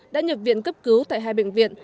đã nhập viện cấp cứu tại hai bệnh viện